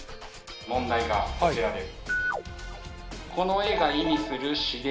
・問題がこちらです。